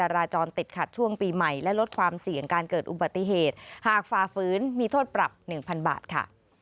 รับความเสี่ยงการเกิดอุบัติเหตุหากฝ่าฟื้นมีโทษปรับ๑๐๐๐บาทค่ะ